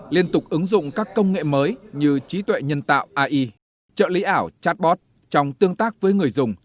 liên tục ứng dụng các công nghệ mới như trí tuệ nhân tạo ai trợ lý ảo chatbot trong tương tác với người dùng